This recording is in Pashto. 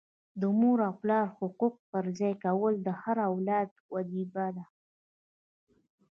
د مور او پلار حقوق پرځای کول د هر اولاد وجیبه ده.